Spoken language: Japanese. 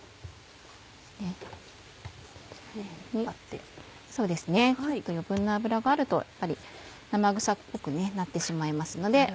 ちょっと余分な脂があるとやっぱり生臭くなってしまいますので。